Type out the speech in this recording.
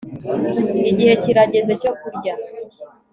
igihe kirageze cyo kurya